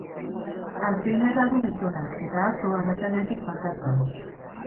Alzheimerra du gizonak, eta atzo arratsaldetik falta zen.